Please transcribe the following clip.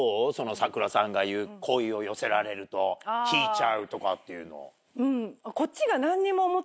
さくらさんが言う好意を寄せられると引いちゃうとかっていうの。こっちが。